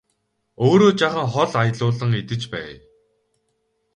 Өөрөө жаахан хоол аялуулан идэж байя!